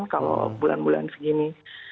kalau bulan bulan segini